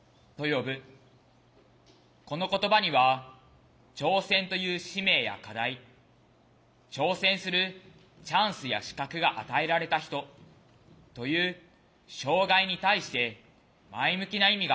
この言葉には「挑戦という使命や課題挑戦するチャンスや資格が与えられた人」という障害に対して前向きな意味がある。